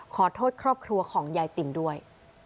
ขอโทษครอบครัวของยายติ๋มด้วย